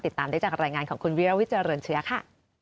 ติดตามได้จากรายงานของคุณวิรวิทเจริญเชื้อค่ะ